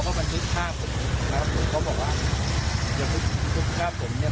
ก็ไม่ทราบครับเพราะผมออกไปสั่ง